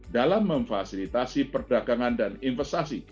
dalam memfasilitasi perdagangan dan investasi